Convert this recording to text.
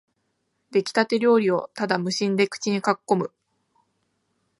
できたて料理をただ無心で口にかっこむ